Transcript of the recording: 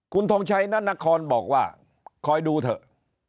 คุณทงชัยนานครบอกว่าคอยดูเถอะ